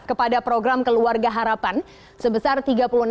kepada program keluarga harapan sebesar rp tiga puluh enam tujuh puluh satu triliun